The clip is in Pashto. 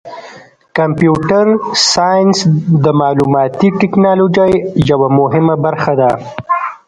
کمپیوټر ساینس د معلوماتي تکنالوژۍ یوه مهمه برخه ده.